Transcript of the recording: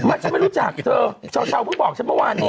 ไม่ฉันไม่รู้จักเธอเช่าเพิ่งบอกฉันเมื่อวาน